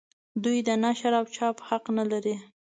دوی د نشر او چاپ حق نه لري.